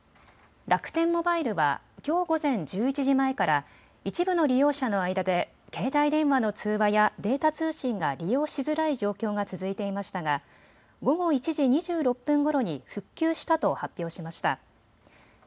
楽天モバイルはきょう午前１１時前から一部の利用者の間で携帯電話の通話やデータ通信が利用しづらい状況が続いていましたが午後１時２６分ごろに復旧したと発表しました。